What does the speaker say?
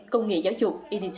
công nghệ giáo dục